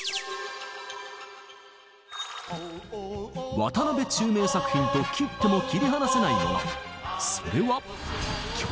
渡辺宙明作品と切っても切り離せないもの。